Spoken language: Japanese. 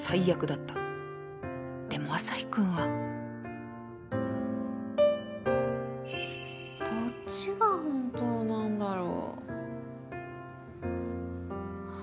でもアサヒくんは。どっちが本当なんだろう。